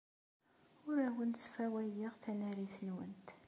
Ur awent-sfawayeɣ tanarit-nwent.